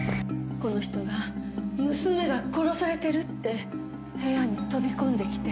この人が娘が殺されてるって部屋に飛び込んで来て。